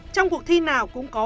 trong cuộc thi nào cũng có